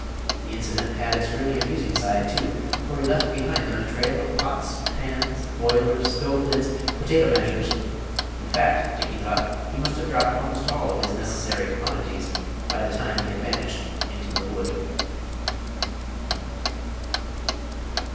The incident had its really amusing side, too; for he left behind him a trail of pots, pans, boilers, stove lids, potato mashers in fact, Dickey thought, he must have dropped almost all of his "necessary commodities" by the time he had vanished into the wood.